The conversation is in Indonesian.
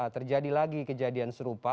terjadi lagi kejadian serupa